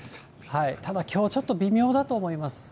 ただ、きょう、ちょっと微妙だと思います。